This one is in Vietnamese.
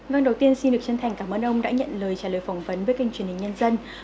vâng đầu tiên xin được chân thành cảm ơn ông đã nhận lời trả lời phỏng vấn với kênh truyền hình nhân dân